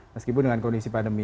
meskipun dengan kondisi pandemi